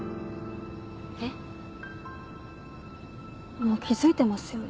もう気付いてますよね？